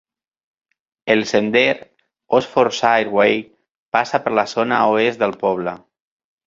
El sender Oxfordshire Way passa per la zona oest del poble.